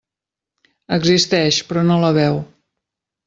Existeix, però no la veu.